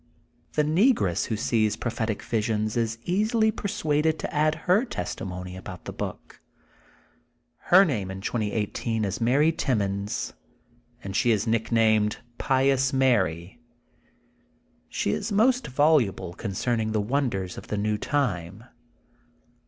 The negress who sees prophetic visions is easily persuaded to add her testimony about the book. Her name in 2018 is Mary Tim mons, and she is nicknamed Pious Mary." She is most voluble concerning the wonders of the new time.